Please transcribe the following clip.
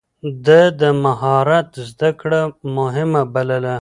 ده د مهارت زده کړه مهمه بلله.